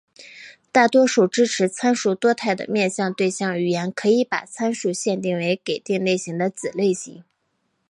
大多数支持参数多态的面向对象语言可以把参数限定为给定类型的子类型。